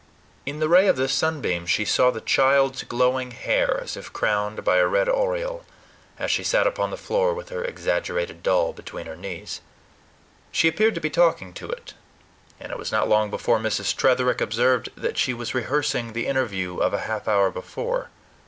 In the ray of this sunbeam she saw the child's glowing hair, as if crowned by a red aureole, as she sat upon the floor with her exaggerated doll between her knees. She appeared to be talking to it; and it was not long before Mrs. Tretherick observed that she was rehearsing the interview of a half hour before.